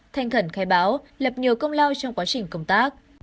thanh khẩn khai báo lập nhiều công lao trong quá trình công tác